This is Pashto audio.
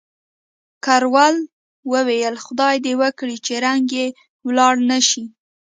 کراول وویل، خدای دې وکړي چې رنګ یې ولاړ نه شي.